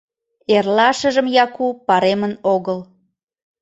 Эрлашыжым Яку паремын огыл.